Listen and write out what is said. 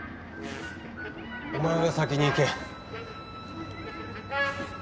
お前が先に行け。